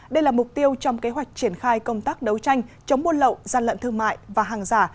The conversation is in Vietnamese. đây là mục tiêu trong kế hoạch triển khai công tác đấu tranh chống buôn lậu gian lận thương mại và hàng giả